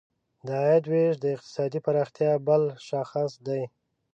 د عاید ویش د اقتصادي پراختیا بل شاخص دی.